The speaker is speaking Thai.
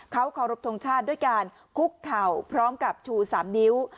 เขาเคารพทงชาติด้วยการคุกเข่าพร้อมกับชู๓นิ้ว